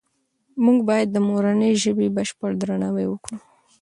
موږ باید د مورنۍ ژبې بشپړ درناوی وکړو.